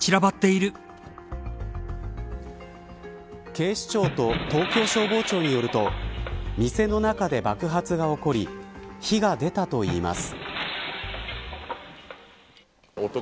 警視庁と東京消防庁によると店の中で爆発が起こり火が出たといいます。